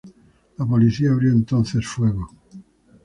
La policía abrió entonces fuego.